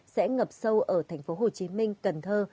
sẽ ngập sâu ở thành phố hồ chí minh cần thơ